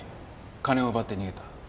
金を奪って逃げた。